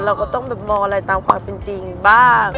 เราก็ต้องแบบมองอะไรตามความเป็นจริงบ้าง